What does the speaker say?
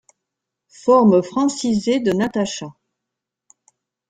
Forme francisée de Natasha.